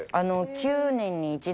９年に一度！？